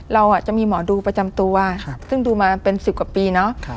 เราจะมีหมอดูประจำตัวซึ่งดูมาเป็น๑๐กว่าปีเนาะ